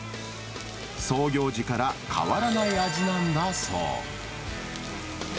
創業時から変わらない味なんだそう。